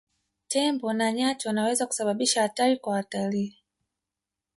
Tembo na nyati wanaweza kusababisha hatari kwa watalii